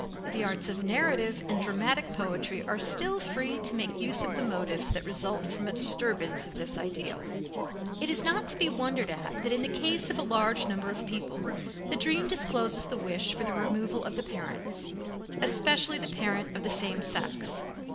The arts of narrative and dramatic poetry are still free to make use of the motives that result from a disturbance of this ideal. It is not to be wondered at that in the case of a large number of people the dream discloses the wish for the removal of the parents, especially the parent of the same sex.